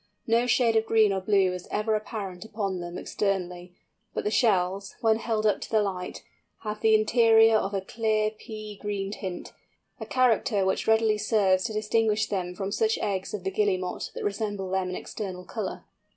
No shade of green or blue is ever apparent upon them externally, but the shells, when held up to the light, have the interior of a clear pea green tint—a character which readily serves to distinguish them from such eggs of the Guillemot that resemble them in external colour.